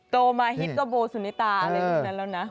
โตมาฮิตก็โบสุนิตาอะไรพวกนั้นแล้วนะ